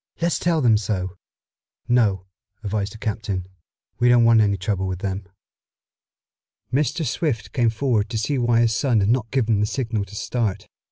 "Let's tell them so." "No," advised the captain. "We don't want any trouble with them." Mr. Swift came forward to see why his son had not given the signal to start.